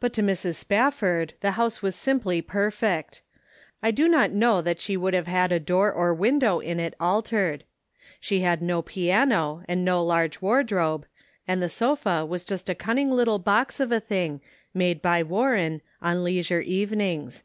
But to Mrs. Spafford the house was simply perfect. I do not know that she would have had a door or window in it altered. She had no piano, and no large wardrobe, and the sofa was just a canning little box of a thing, made by Warren, on leisure evenings.